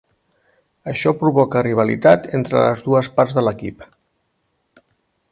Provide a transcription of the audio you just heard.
Això provoca rivalitat entre les dues parts de l'equip.